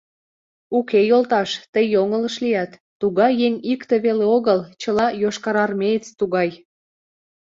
— Уке, йолташ, тый йоҥылыш лият: тугай еҥ икте веле огыл: чыла йошкарармеец тугай!..